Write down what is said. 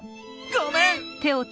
ごめん！